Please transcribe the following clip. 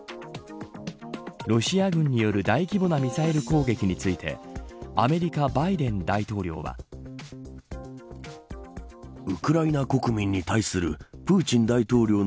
ロシア軍による大規模なミサイル攻撃についてアメリカ、バイデン大統領は。とロシアを強く非難。